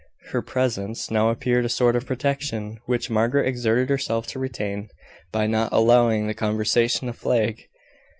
Her presence now appeared a sort of protection, which Margaret exerted herself to retain, by not allowing the conversation to flag.